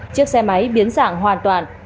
chiếc xe máy biến sảng hoàn toàn